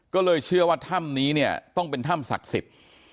ก็เลยเชื่อว่าถ้ำนี้เนี่ยต้องเป็นถ้ำศักดิ์สิทธิ์